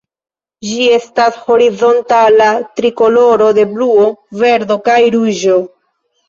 Ĝi estas horizontala trikoloro de bluo, verdo kaj ruĝo.